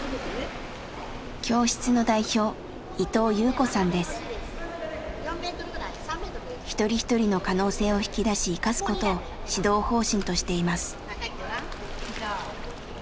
教室の代表一人一人の可能性を引き出し生かすことを指導方針としています。